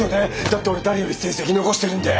だって俺誰より成績残してるんで。